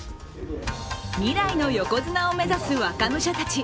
未来の横綱を目指す若武者たち。